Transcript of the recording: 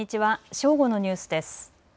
正午のニュースです。